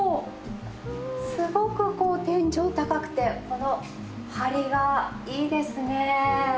すごくこう天井高くてこの梁がいいですね。